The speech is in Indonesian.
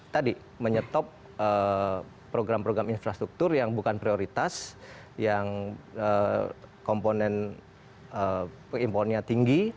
tadi menyetop program program infrastruktur yang bukan prioritas yang komponen impornya tinggi